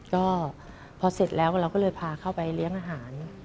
ก็พอเสร็จแล้วเราก็เลยพาเข้าไปเลี้ยงอาหาร